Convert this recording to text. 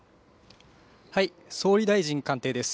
総理大臣官邸です。